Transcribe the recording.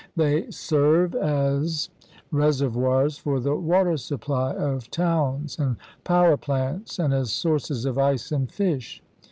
They serve as res ervoirs for the water supply of towns and power plants and as sources of ice and fish.